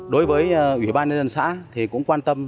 đối với ủy ban nhân dân xã thì cũng quan tâm